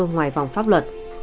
ngoài vòng pháp luật